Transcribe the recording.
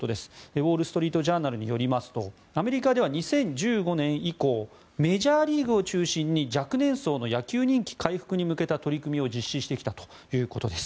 ウォール・ストリート・ジャーナルによりますとアメリカでは２０１５年以降メジャーリーグを中心に若年層の野球人気回復に向けた取り組みを実施してきたということです。